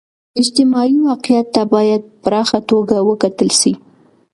اجتماعي واقعیت ته باید په پراخه توګه و کتل سي.